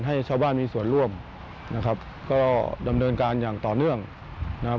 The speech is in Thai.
ให้ชาวบ้านมีส่วนร่วมนะครับก็ดำเนินการอย่างต่อเนื่องนะครับ